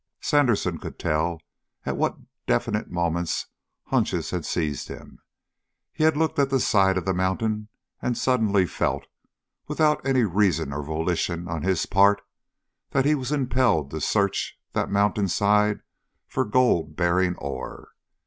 Sandersen could tell at what definite moments hunches had seized him. He had looked at the side of the mountain and suddenly felt, without any reason or volition on his part, that he was impelled to search that mountainside for gold bearing ore.